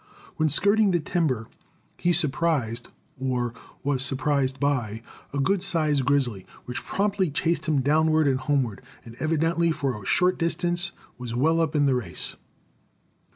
When skirting the timber he surprised, or was surprised by, a good sized grizzly, which promptly chased him downward and homeward, and evidently for a short distance was well up in the race.